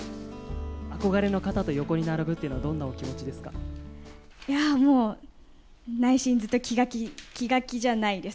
憧れの方と横に並ぶというのいやー、もう内心、ずっと気が気、気が気じゃないです。